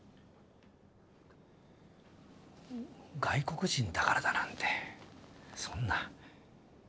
外国人だからだなんてそんな。